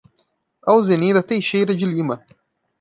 Alzenira Teixeira de Lima